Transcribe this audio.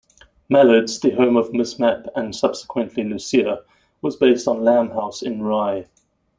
"Mallards", the home of Miss Mapp-and subsequently Lucia-was based on Lamb House in Rye.